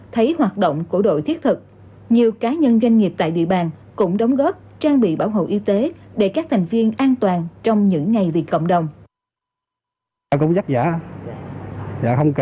thấy hoạt động của đội thiết thực nhiều cá nhân doanh nghiệp tại địa bàn cũng đóng góp trang bị bảo hộ y tế để các thành viên an toàn trong những ngày vì cộng đồng